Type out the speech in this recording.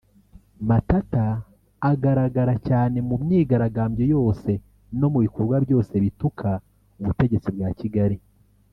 Matata agaragara cyane mu myigarambyo yose no mu bikorwa byose bituka ubutegetsi bwa Kigali